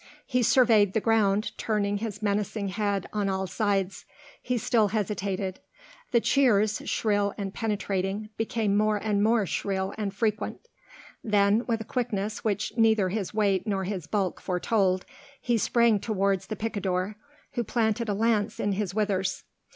He surveyed the ground, turning his menacing head on all sides he still hesitated: the cheers, shrill and penetrating, became more and more shrill and frequent. Then with a quickness which neither his weight nor his bulk foretold, he sprang towards the picador, who planted a lance in his withers.